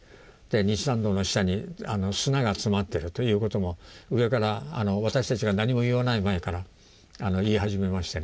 西参道の下に砂が詰まってるということも上から私たちが何も言わない前から言い始めましてね。